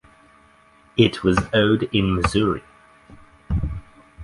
It was owed in Missouri.